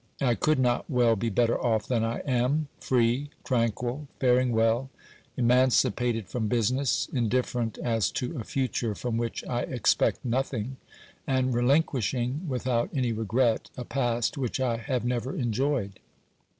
I could not well be better off than I am — free, tranquil, faring well, emancipated from business, indifferent as to a future from which I expect nothing, and relinquishing without any regret a past which I have never enjoyed.